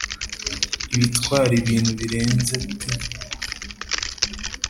ibitwara ibintu birenze ,T